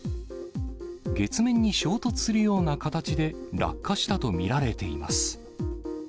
月面に衝突するような形で落下したと見られています。